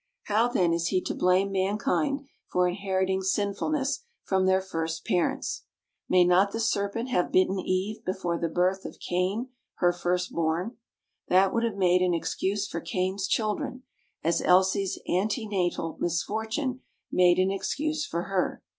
How, then, is he to blame mankind for inheriting "sinfulness" from their first parents? May not the serpent have bitten Eve before the birth of Cain, her first born? That would have made an excuse for Cain's children, as Elsie's ante natal misfortune made an excuse for her.